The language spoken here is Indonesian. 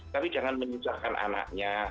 tapi jangan menyusahkan anaknya